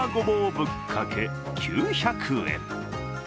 ぶっかけ９００円。